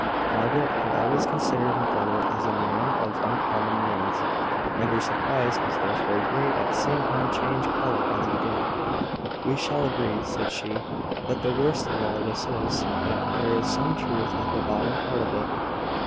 Margaret had always considered her brother as a man of uncommon nerve; and her surprise was therefore great at seeing him change colour as he did. "We shall agree," said she, "that the worst of all this is, that there is some truth at the bottom part of it."